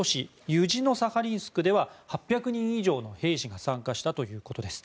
ユジノサハリンスクでは８００人以上の兵士が参加したということです。